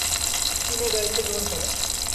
তিনি এর দায়িত্বগ্রহণ করেন।